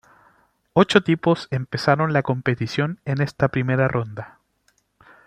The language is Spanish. Ocho equipos empezaron la competición en esta primera ronda.